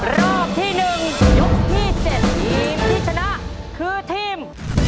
รอบที่๑ยกที่๗ทีมที่ชนะคือทีม